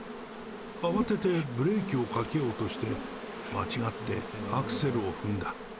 慌ててブレーキをかけようとして、間違ってアクセルを踏んだ。